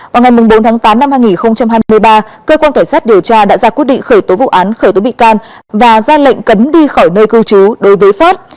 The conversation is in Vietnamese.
vào ngày bốn tháng tám năm hai nghìn hai mươi ba cơ quan cảnh sát điều tra đã ra quyết định khởi tố vụ án khởi tố bị can và ra lệnh cấm đi khỏi nơi cư trú đối với phát